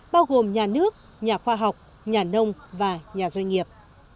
bao gồm nhà nước nhà khoa học nhà nông và nhà doanh nghiệp